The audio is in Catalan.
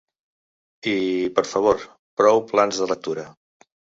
I, per favor: prou plans de lectura.